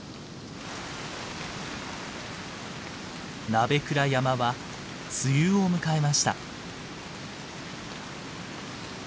鍋倉山は梅雨を迎えました。